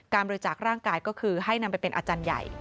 บริจาคร่างกายก็คือให้นำไปเป็นอาจารย์ใหญ่